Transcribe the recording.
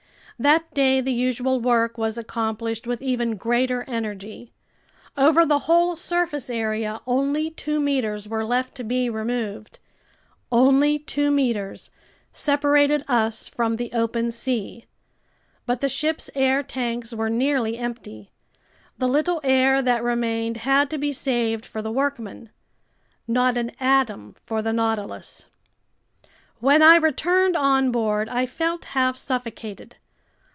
That day the usual work was accomplished with even greater energy. Over the whole surface area, only two meters were left to be removed. Only two meters separated us from the open sea. But the ship's air tanks were nearly empty. The little air that remained had to be saved for the workmen. Not an atom for the Nautilus! When I returned on board, I felt half suffocated.